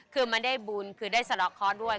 คือมันได้บุญคือได้สะดอกเคาะด้วย